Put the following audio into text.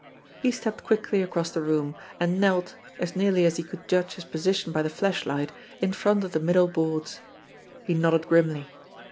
He stepped quickly across the room, and knelt, as nearly as he could judge his position by the flashlight, in front of the middle boards. He nodded grimly.